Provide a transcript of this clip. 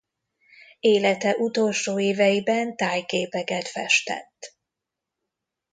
Élete utolsó éveiben tájképeket festett.